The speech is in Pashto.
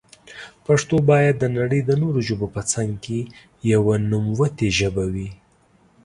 پښتو بايد دنړی د نورو ژبو په څنګ کي يوه نوموتي ژبي وي.